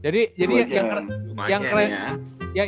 jadi jadi yang keren